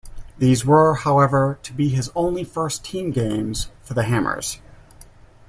These were, however, to be his only first team games for "the Hammers".